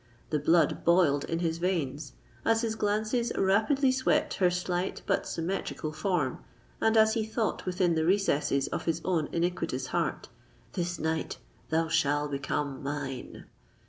The blood boiled in his veins, as his glances rapidly swept her slight but symmetrical form, and as he thought within the recesses of his own iniquitous heart, "This night thou shall become mine!"